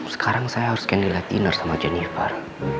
sekarang saya harus ke latina sama jennifer